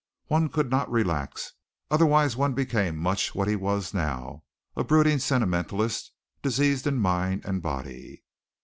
One could not relax. Otherwise one became much what he was now, a brooding sentimentalist diseased in mind and body.